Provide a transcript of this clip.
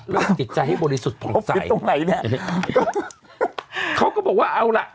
จิตใจให้บริสุทธิ์ผ่องใสตรงไหนแหละเขาก็บอกว่าเอาล่ะ